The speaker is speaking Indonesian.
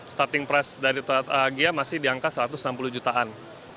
starting price dari toyota agia masih di angka satu ratus enam puluh jutaan